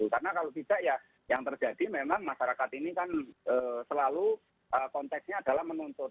karena kalau tidak ya yang terjadi memang masyarakat ini kan selalu konteksnya adalah menuntut